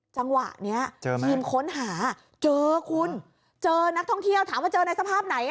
จังหวะนี้ทีมค้นหาเจอคุณเจอนักท่องเที่ยวถามว่าเจอในสภาพไหน